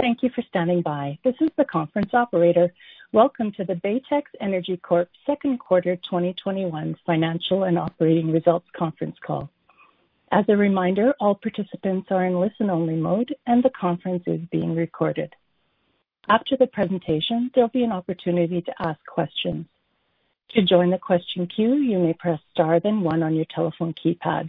Thank you for standing by. This is the conference operator. Welcome to the Baytex Energy Corp Second Quarter 2021 Financial and Operating Results Conference Call. As a reminder, all participants are in listen-only mode, and the conference is being recorded. After the presentation, there'll be an opportunity to ask questions. To join the question queue, you may press star then one on your telephone keypad.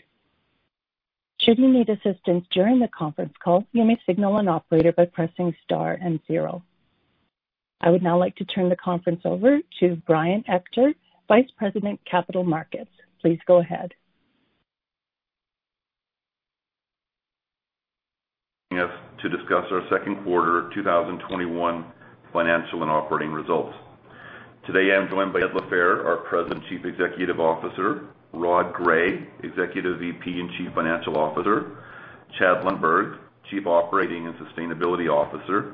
Should you need assistance during the conference call, you may signal an operator by pressing star and zero. I would now like to turn the conference over to Brian Ector, Vice President, Capital Markets. Please go ahead. To discuss our Second Quarter 2021 Financial and Operating Results. Today, I'm joined by Ed LaFehr, our President, Chief Executive Officer; Rod Gray, Executive VP and Chief Financial Officer; Chad Lundberg, Chief Operating and Sustainability Officer;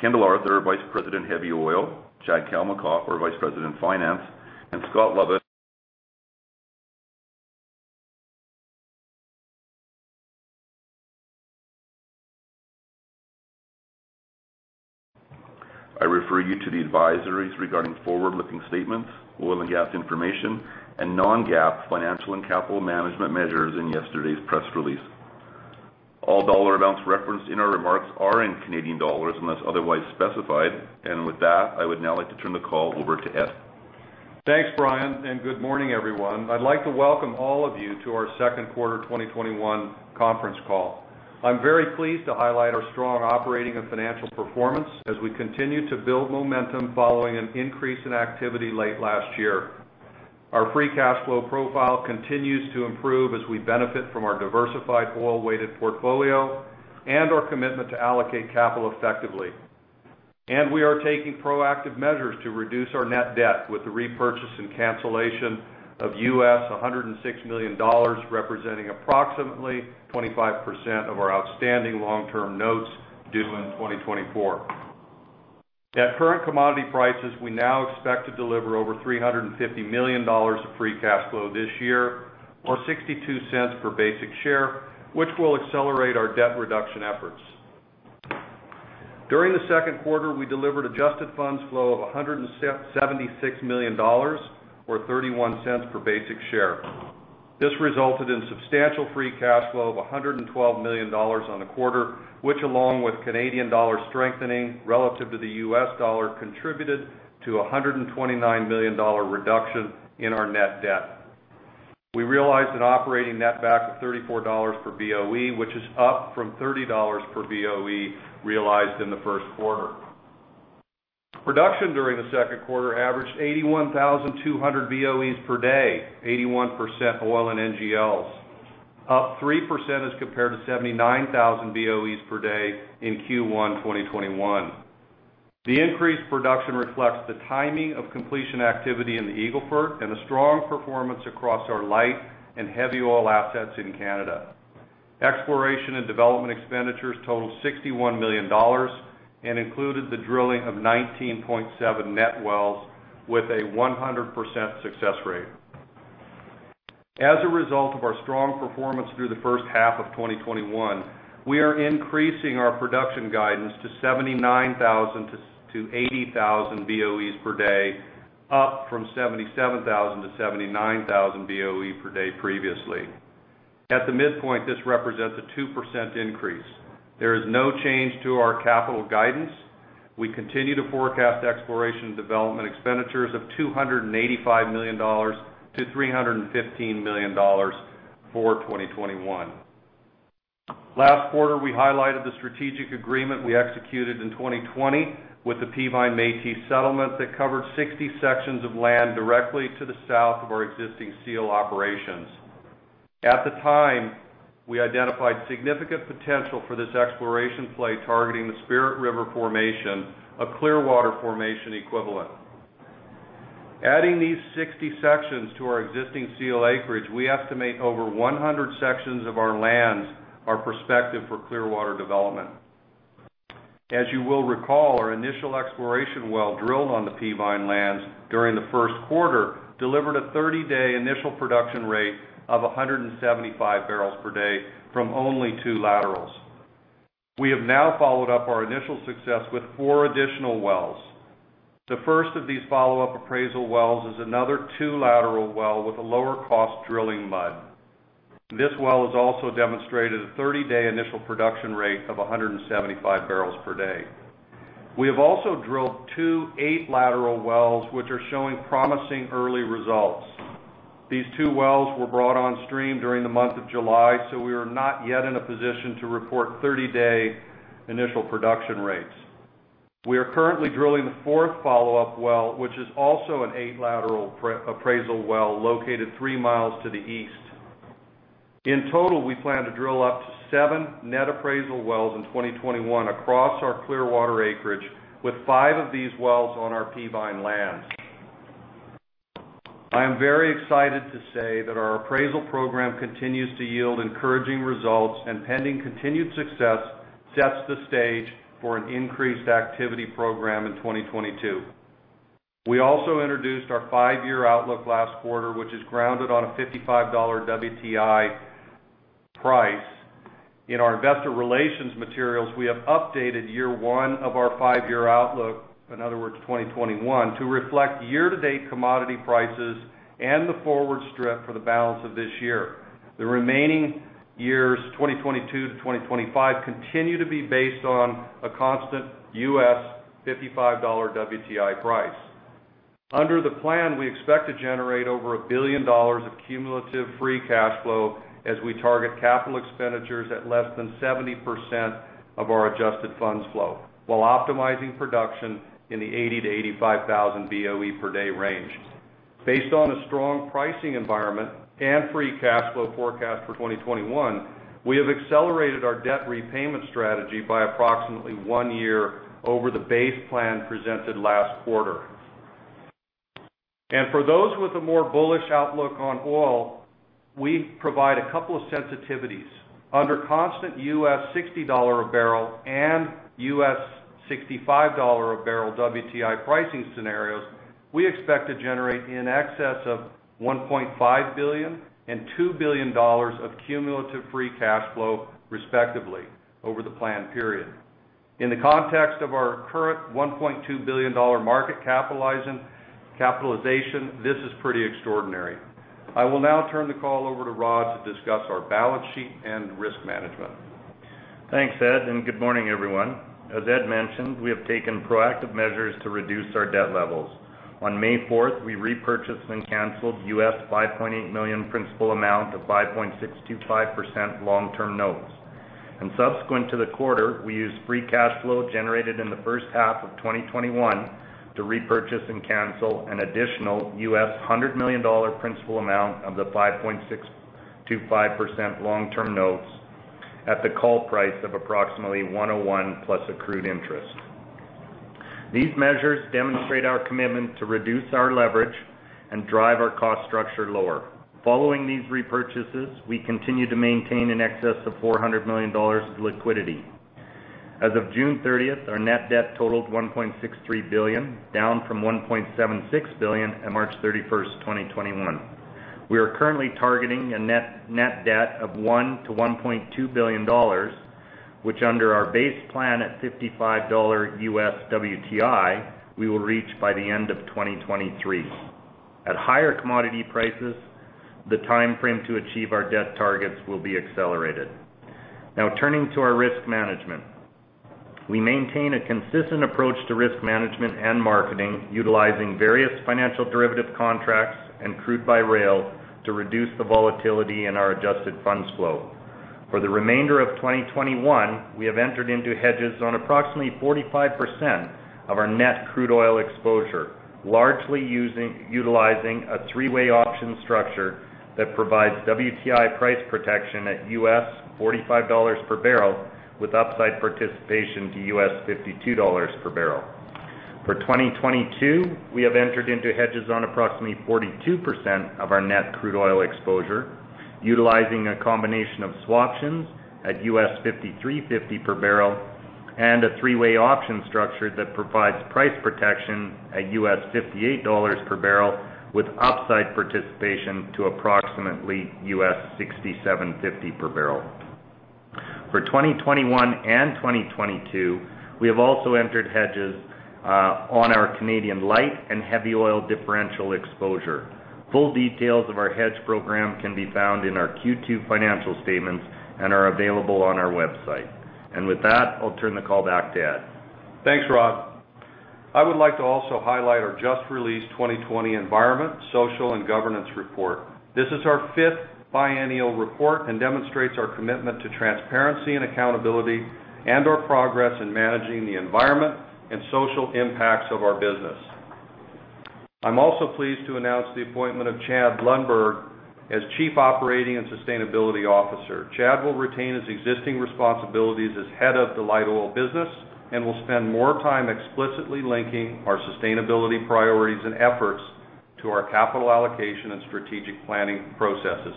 Kendall Arthur, Vice President, Heavy Oil; Chad Kalmakoff, our Vice President, Finance; and Scott Lovett. I refer you to the advisories regarding forward-looking statements, oil and gas information, and non-GAAP financial and capital management measures in yesterday's press release. All dollar amounts referenced in our remarks are in Canadian dollars unless otherwise specified. And with that, I would now like to turn the call over to Ed. Thanks, Brian, and good morning, everyone. I'd like to welcome all of you to our Second Quarter 2021 Conference Call. I'm very pleased to highlight our strong operating and financial performance as we continue to build momentum following an increase in activity late last year. Our free cash flow profile continues to improve as we benefit from our diversified oil-weighted portfolio and our commitment to allocate capital effectively. We are taking proactive measures to reduce our net debt with the repurchase and cancellation of $106 million, representing approximately 25% of our outstanding long-term notes due in 2024. At current commodity prices, we now expect to deliver over $350 million of free cash flow this year, or $ 0.62 per basic share, which will accelerate our debt reduction efforts. During the second quarter, we delivered adjusted funds flow of $176 million, or $0.31 per basic share. This resulted in substantial free cash flow of $112 million on the quarter, which, along with Canadian dollar strengthening relative to the US dollar, contributed to a $129 million reduction in our net debt. We realized an operating netback of $34 per BOE, which is up from $30 per BOE realized in the first quarter. Production during the second quarter averaged 81,200 BOEs per day, 81% oil and NGLs, up 3% as compared to 79,000 BOEs per day in Q1 2021. The increased production reflects the timing of completion activity in the Eagle Ford and the strong performance across our light and heavy oil assets in Canada. Exploration and development expenditures totaled $61 million and included the drilling of 19.7 net wells with a 100% success rate. As a result of our strong performance through the first half of 2021, we are increasing our production guidance to 79,000 BOE-80,000 BOE per day, up from 77,000 BOE-79,000 BOE per day previously. At the midpoint, this represents a 2% increase. There is no change to our capital guidance. We continue to forecast exploration and development expenditures of $285 million-$315 million for 2021. Last quarter, we highlighted the strategic agreement we executed in 2020 with the Peavine Métis Settlement that covered 60 sections of land directly to the south of our existing Seal operations. At the time, we identified significant potential for this exploration play targeting the Spirit River Formation, a Clearwater Formation equivalent. Adding these 60 sections to our existing Seal acreage, we estimate over 100 sections of our lands are prospective for Clearwater development. As you will recall, our initial exploration well drilled on the Peavine lands during the first quarter delivered a 30-day initial production rate of 175 barrels per day from only two laterals. We have now followed up our initial success with four additional wells. The first of these follow-up appraisal wells is another two-lateral well with a lower-cost drilling mud. This well has also demonstrated a 30-day initial production rate of 175 barrels per day. We have also drilled two eight-lateral wells, which are showing promising early results. These two wells were brought on stream during the month of July, so we are not yet in a position to report 30-day initial production rates. We are currently drilling the fourth follow-up well, which is also an eight-lateral appraisal well located three miles to the east. In total, we plan to drill up to seven net appraisal wells in 2021 across our Clearwater acreage, with five of these wells on our Peavine lands. I am very excited to say that our appraisal program continues to yield encouraging results, and, pending continued success, sets the stage for an increased activity program in 2022. We also introduced our five-year outlook last quarter, which is grounded on a $55 WTI price. In our investor relations materials, we have updated year one of our five-year outlook, in other words, 2021, to reflect year-to-date commodity prices and the forward strip for the balance of this year. The remaining years, 2022 to 2025, continue to be based on a constant $55 WTI price. Under the plan, we expect to generate over a billion dollars of cumulative free cash flow as we target capital expenditures at less than 70% of our adjusted funds flow while optimizing production in the 80,000 BOE-85,000 BOE per day range. Based on a strong pricing environment and free cash flow forecast for 2021, we have accelerated our debt repayment strategy by approximately one year over the base plan presented last quarter. For those with a more bullish outlook on oil, we provide a couple of sensitivities. Under constant $60 a barrel and $65 a barrel WTI pricing scenarios, we expect to generate in excess of $1.5 billion and $2 billion of cumulative free cash flow, respectively, over the planned period. In the context of our current $1.2 billion market capitalization, this is pretty extraordinary. I will now turn the call over to Rod to discuss our balance sheet and risk management. Thanks, Ed, and good morning, everyone. As Ed mentioned, we have taken proactive measures to reduce our debt levels. On May 4th, we repurchased and canceled $5.8 million principal amount of 5.625% long-term notes. And subsequent to the quarter, we used free cash flow generated in the first half of 2021 to repurchase and cancel an additional $100 million principal amount of the 5.625% long-term notes at the call price of approximately 101 plus accrued interest. These measures demonstrate our commitment to reduce our leverage and drive our cost structure lower. Following these repurchases, we continue to maintain an excess of $400 million of liquidity. As of June 30th, our net debt totaled $1.63 billion, down from $1.76 billion at March 31st, 2021. We are currently targeting a net debt of $1 billion-$1.2 billion, which, under our base plan at $55 U.S. WTI, we will reach by the end of 2023. At higher commodity prices, the timeframe to achieve our debt targets will be accelerated. Now, turning to our risk management, we maintain a consistent approach to risk management and marketing, utilizing various financial derivative contracts and crude by rail to reduce the volatility in our adjusted funds flow. For the remainder of 2021, we have entered into hedges on approximately 45% of our net crude oil exposure, largely utilizing a three-way option structure that provides WTI price protection at U.S. $45 per barrel with upside participation to U.S. $52 per barrel. For 2022, we have entered into hedges on approximately 42% of our net crude oil exposure, utilizing a combination of swaptions at $53.50 per barrel and a three-way option structure that provides price protection at $58 per barrel with upside participation to approximately $67.50 per barrel. For 2021 and 2022, we have also entered hedges on our Canadian light and heavy oil differential exposure. Full details of our hedge program can be found in our Q2 financial statements and are available on our website, and with that, I'll turn the call back to Ed. Thanks, Rod. I would like to also highlight our just released 2020 Environmental, Social, and Governance Report. This is our fifth biennial report and demonstrates our commitment to transparency and accountability and our progress in managing the environmental and social impacts of our business. I'm also pleased to announce the appointment of Chad Lundberg as Chief Operating and Sustainability Officer. Chad will retain his existing responsibilities as head of the light oil business and will spend more time explicitly linking our sustainability priorities and efforts to our capital allocation and strategic planning processes.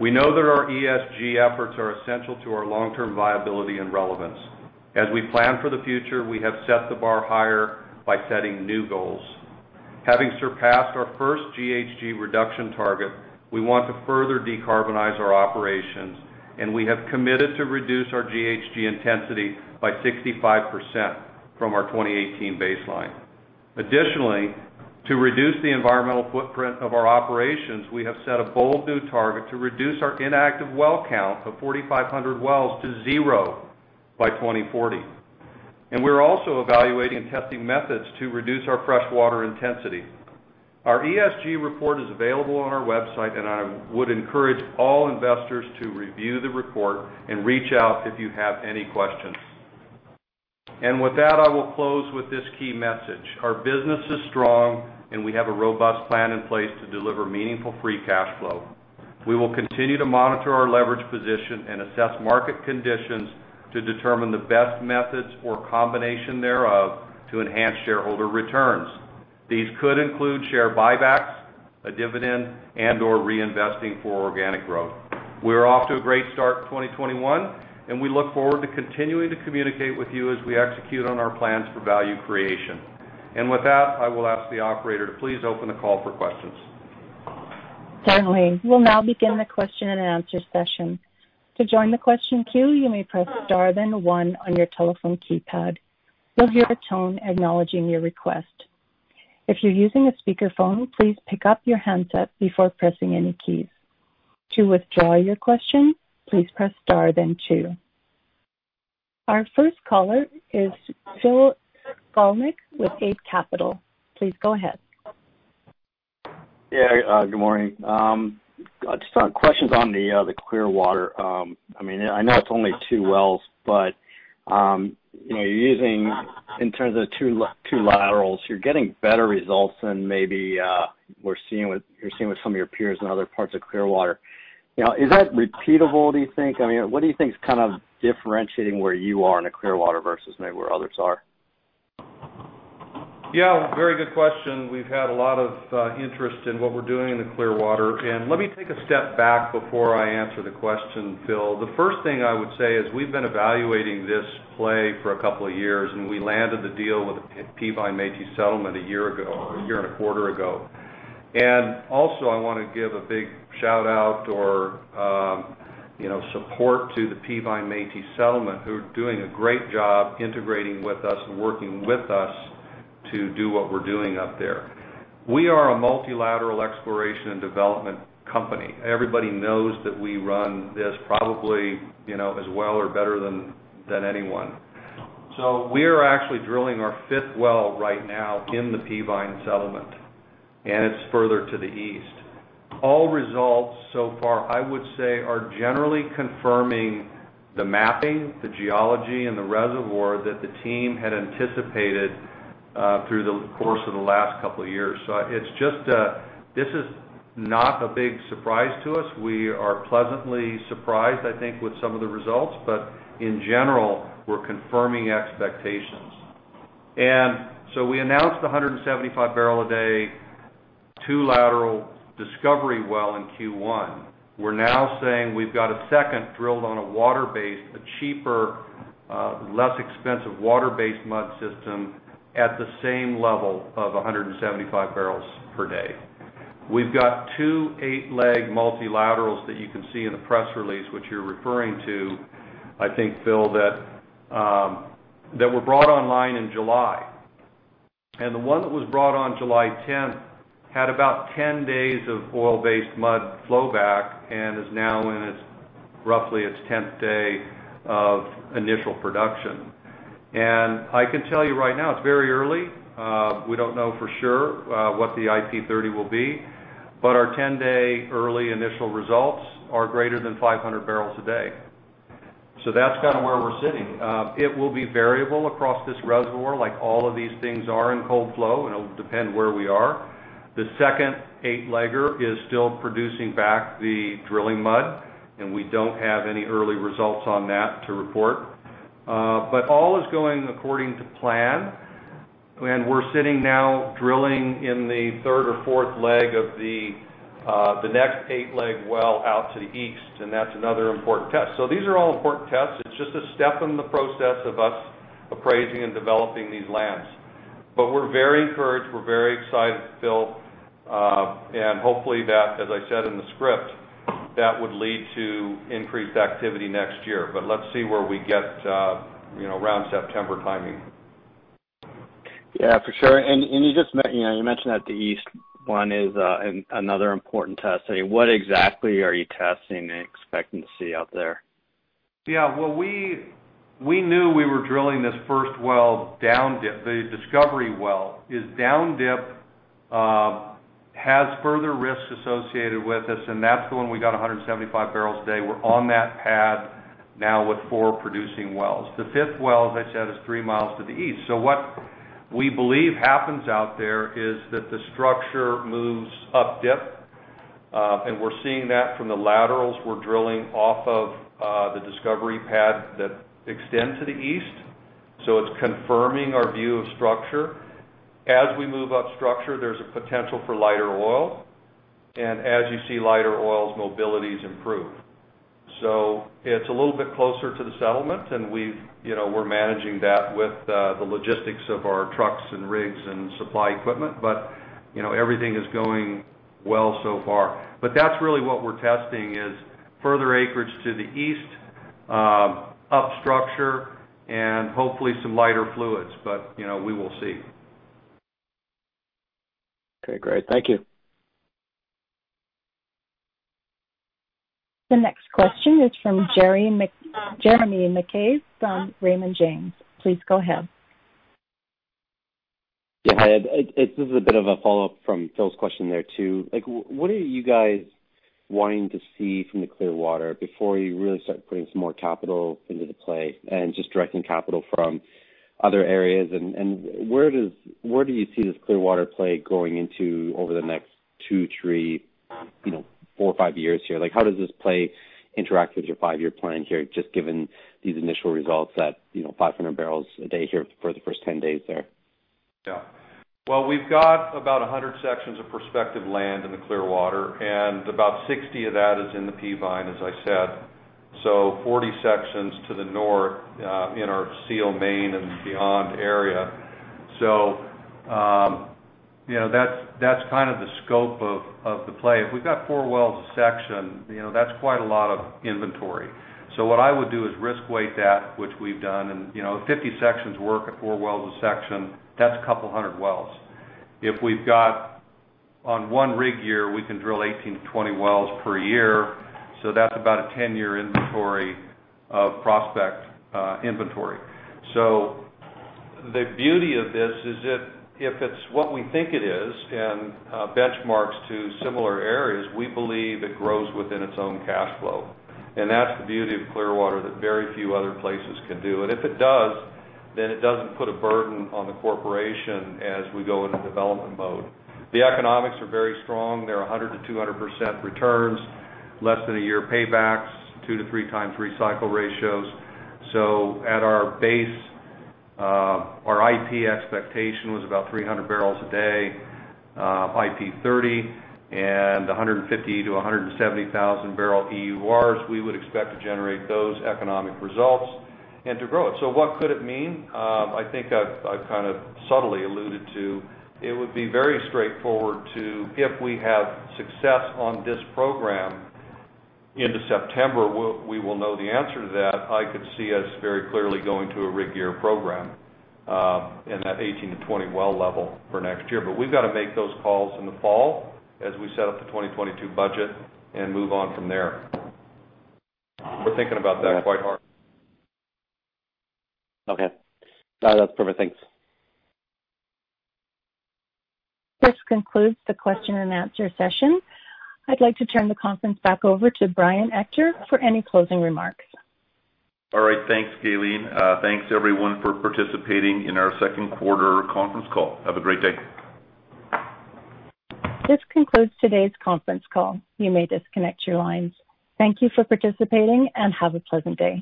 We know that our ESG efforts are essential to our long-term viability and relevance. As we plan for the future, we have set the bar higher by setting new goals. Having surpassed our first GHG reduction target, we want to further decarbonize our operations, and we have committed to reduce our GHG intensity by 65% from our 2018 baseline. Additionally, to reduce the environmental footprint of our operations, we have set a bold new target to reduce our inactive well count of 4,500 wells to zero by 2040, and we're also evaluating and testing methods to reduce our freshwater intensity. Our ESG report is available on our website, and I would encourage all investors to review the report and reach out if you have any questions, and with that, I will close with this key message. Our business is strong, and we have a robust plan in place to deliver meaningful free cash flow. We will continue to monitor our leverage position and assess market conditions to determine the best methods or combination thereof to enhance shareholder returns. These could include share buybacks, a dividend, and/or reinvesting for organic growth. We are off to a great start in 2021, and we look forward to continuing to communicate with you as we execute on our plans for value creation. And with that, I will ask the operator to please open the call for questions. Certainly. We'll now begin the question and answer session. To join the question queue, you may press star then one on your telephone keypad. You'll hear a tone acknowledging your request. If you're using a speakerphone, please pick up your handset before pressing any keys. To withdraw your question, please press star then two. Our first caller is Phil Skolnick with Eight Capital. Please go ahead. Yeah, good morning. Just on questions on the Clearwater. I mean, I know it's only two wells, but you're using in terms of two laterals, you're getting better results than maybe you're seeing with some of your peers in other parts of Clearwater. Is that repeatable, do you think? I mean, what do you think is kind of differentiating where you are in a Clearwater versus maybe where others are? Yeah, very good question. We've had a lot of interest in what we're doing in the Clearwater. And let me take a step back before I answer the question, Phil. The first thing I would say is we've been evaluating this play for a couple of years, and we landed the deal with the Peavine Métis Settlement a year ago or a year and a quarter ago. And also, I want to give a big shout-out or support to the Peavine Métis Settlement who are doing a great job integrating with us and working with us to do what we're doing up there. We are a multilateral exploration and development company. Everybody knows that we run this probably as well or better than anyone. So we are actually drilling our fifth well right now in the Peavine Settlement, and it's further to the east. All results so far, I would say, are generally confirming the mapping, the geology, and the reservoir that the team had anticipated through the course of the last couple of years. So this is not a big surprise to us. We are pleasantly surprised, I think, with some of the results, but in general, we're confirming expectations. And so we announced the 175 barrel a day, two-lateral discovery well in Q1. We're now saying we've got a second drilled on a water-based, a cheaper, less expensive water-based mud system at the same level of 175 barrels per day. We've got two eight-leg multilaterals that you can see in the press release, which you're referring to, I think, Phil, that were brought online in July. The one that was brought on July 10th had about 10 days of oil-based mud flowback and is now in roughly its 10th day of initial production. I can tell you right now, it's very early. We don't know for sure what the IP 30 will be, but our 10-day early initial results are greater than 500 barrels a day. That's kind of where we're sitting. It will be variable across this reservoir, like all of these things are in cold flow, and it'll depend where we are. The second eight-legger is still producing back the drilling mud, and we don't have any early results on that to report. All is going according to plan, and we're sitting now drilling in the third or fourth leg of the next eight-leg well out to the east, and that's another important test. These are all important tests. It's just a step in the process of us appraising and developing these lands. But we're very encouraged. We're very excited, Phil, and hopefully that, as I said in the script, that would lead to increased activity next year. But let's see where we get around September timing. Yeah, for sure. And you just mentioned that the east one is another important test. I mean, what exactly are you testing and expecting to see out there? Yeah, well, we knew we were drilling this first well down dip. The discovery well is down dip, has further risks associated with us, and that's the one we got 175 barrels a day. We're on that pad now with four producing wells. The fifth well, as I said, is three miles to the east. So what we believe happens out there is that the structure moves up dip. And we're seeing that from the laterals. We're drilling off of the discovery pad that extends to the east. So it's confirming our view of structure. As we move up structure, there's a potential for lighter oil. And as you see lighter oils, mobility is improved. So it's a little bit closer to the settlement, and we're managing that with the logistics of our trucks and rigs and supply equipment. But everything is going well so far. But that's really what we're testing is further acreage to the east, up structure, and hopefully some lighter fluids. But we will see. Okay, great. Thank you. The next question is from Jeremy McCrea from Raymond James. Please go ahead. Yeah, this is a bit of a follow-up from Phil's question there too. What are you guys wanting to see from the Clearwater before you really start putting some more capital into the play and just directing capital from other areas? And where do you see this Clearwater play going into over the next two, three, four, five years here? How does this play interact with your five-year plan here, just given these initial results at 500 barrels a day here for the first 10 days there? Yeah. Well, we've got about 100 sections of prospective land in the Clearwater, and about 60 of that is in the Peavine, as I said. So 40 sections to the north in our Seal Main and beyond area. So that's kind of the scope of the play. If we've got four wells a section, that's quite a lot of inventory. So what I would do is risk-weight that, which we've done. And 50 sections worth at four wells a section. That's a couple hundred wells. If we've got one rig year, we can drill 18-20 wells per year. So that's about a 10-year inventory of prospect inventory. So the beauty of this is if it's what we think it is and benchmarks to similar areas, we believe it grows within its own cash flow. That's the beauty of Clearwater that very few other places can do. If it does, then it doesn't put a burden on the corporation as we go into development mode. The economics are very strong. They're 100%-200% returns, less than a year paybacks, two to three times recycle ratios. At our base, our IP expectation was about 300 barrels a day, IP 30, and 150-170 thousand barrel EURs. We would expect to generate those economic results and to grow it. What could it mean? I think I've kind of subtly alluded to it would be very straightforward to if we have success on this program into September, we will know the answer to that. I could see us very clearly going to a rig year program in that 18-20 well level for next year. But we've got to make those calls in the fall as we set up the 2022 budget and move on from there. We're thinking about that quite hard. Okay. That's perfect. Thanks. This concludes the question and answer session. I'd like to turn the conference back over to Brian Ector for any closing remarks. All right. Thanks, Kayleen. Thanks, everyone, for participating in our second quarter conference call. Have a great day. This concludes today's conference call. You may disconnect your lines. Thank you for participating and have a pleasant day.